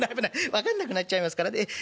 分かんなくなっちゃいますからね。